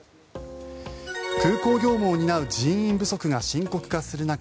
空港業務を担う人員不足が深刻化する中